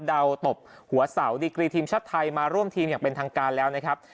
ตบหัวเสาดีกรีทีมชาติไทยมาร่วมทีมอย่างเป็นทางการแล้วนะครับ